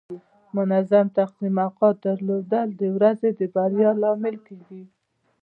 منظم تقسیم اوقات درلودل د ورځې د بریا لامل کیږي.